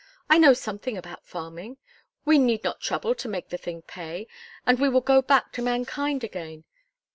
I know something about farming. We need not trouble to make the thing pay. And we will go back to mankind again.